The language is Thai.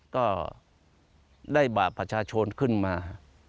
ก็ได้บาปประชาชนขึ้นมา